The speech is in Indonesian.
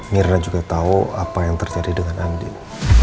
mirna juga tahu apa yang terjadi dengan andi